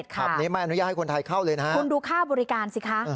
คุณดูค่าบริการสิคะ